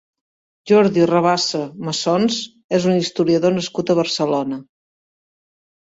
Jordi Rabassa Massons és un historiador nascut a Barcelona.